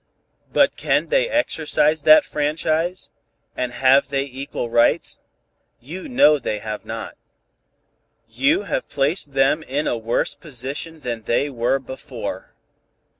But can they exercise that franchise, and have they equal rights? You know they have not. You have placed them in a worse position than they were before.